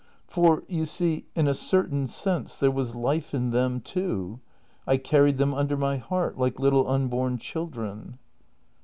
For you see, in a certain sense, there was life in them, too. I carried them under my heart — like little unborn children.